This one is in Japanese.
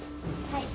はい。